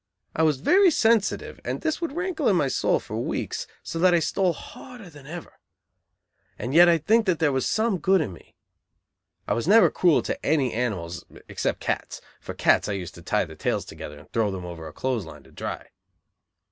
I was very sensitive and this would rankle in my soul for weeks, so that I stole harder than ever. And yet I think that there was some good in me. I was never cruel to any animals, except cats; for cats, I used to tie their tails together and throw them over a clothesline to dry.